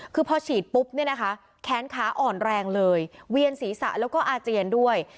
คือพอฉีดปุ๊บเนี่ยนะคะแขนขาอ่อนแรงเลยเวียนศีรษะแล้วก็อาเจียนด้วย